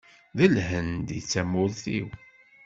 D Lhend i d tamurt-iw.